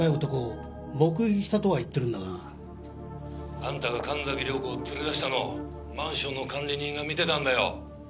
「あんたが神崎涼子を連れ出したのをマンションの管理人が見てたんだよ」